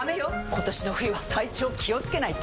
今年の冬は体調気をつけないと！